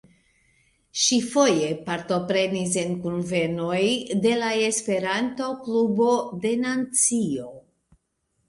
Ŝi foje partoprenis en kunvenoj de la Esperanto-Klubo de Nancio.